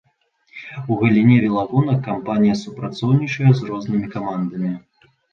У галіне велагонак кампанія супрацоўнічае з рознымі камандамі.